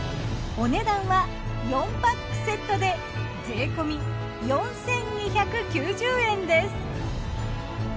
お値段は４パックセットで税込４，２９０円です。